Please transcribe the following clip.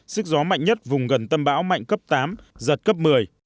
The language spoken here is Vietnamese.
sức gió mạnh nhất vùng gần tâm bão mạnh cấp tám giật cấp một mươi